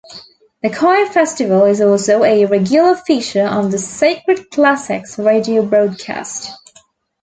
The Choir Festival is also a regular feature on the "Sacred Classics" radio broadcast.